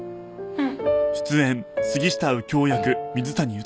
うん。